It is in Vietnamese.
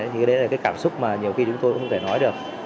thì cái đấy là cái cảm xúc mà nhiều khi chúng tôi cũng không thể nói được